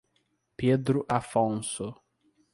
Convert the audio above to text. Pedro Afonso